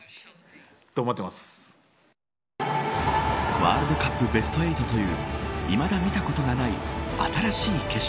ワールドカップベスト８といういまだ見たことがない新しい景色。